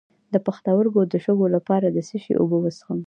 د پښتورګو د شګو لپاره د څه شي اوبه وڅښم؟